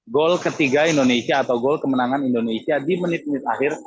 gol ketiga indonesia atau gol kemenangan indonesia di menit menit akhir